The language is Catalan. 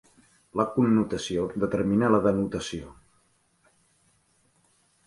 La connotació determina la denotació.